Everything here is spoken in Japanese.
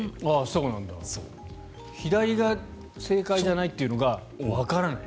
左が正解じゃないというのがわからない。